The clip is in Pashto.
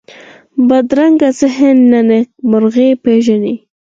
بدرنګه ذهن نه نېکمرغي پېژني